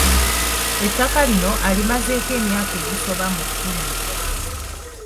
Ettaka lino alimazeeko emyaka egisoba mu kkumi.